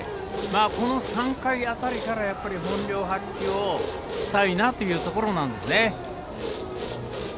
この３回あたりから本領発揮をしたいなというところなのでね。